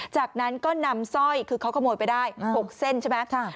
จากนั้นก็นำสร้อยคือเขาขโมยไปได้๖เส้นใช่ไหม